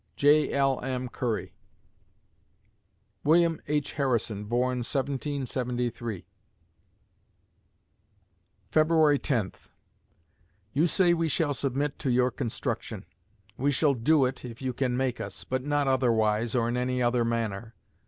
J. L. M. CURRY William H. Harrison born, 1773 February Tenth You say we shall submit to your construction. We shall do it, if you can make us; but not otherwise, or in any other manner.